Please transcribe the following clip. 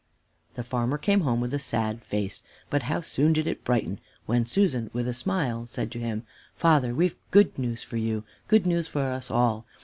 The farmer came home with a sad face, but how soon did it brighten, when Susan, with a smile, said to him, "Father, we've good news for you! good news for us all!